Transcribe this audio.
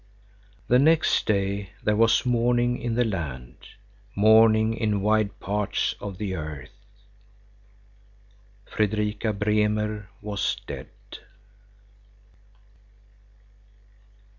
The next day there was mourning in the land; mourning in wide parts of the earth. _Fredrika Bremer was dead.